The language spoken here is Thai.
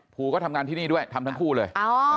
ูก็ทำงานที่นี่ด้วยทำทั้งคู่เลย